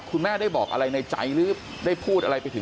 คุณแม่ได้บอกอะไรในใจหรือได้พูดอะไรไปถึง